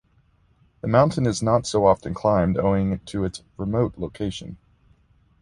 The mountain is not so often climbed owing to its remote location.